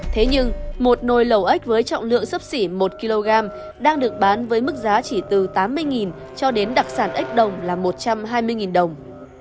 thế nhưng một nồi lầu ếch với trọng lượng sấp xỉ một kg đang được bán với mức giá chỉ từ tám mươi cho đến đặc sản ếch đồng là một trăm hai mươi đồng